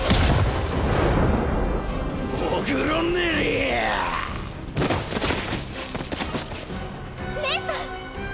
オグロネリアレイさん！